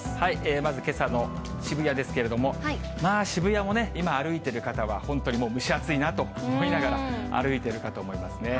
まずけさの渋谷ですけれども、まあ、渋谷もね、今歩いてる方は本当にもう蒸し暑いなと思いながら歩いているかと思いますね。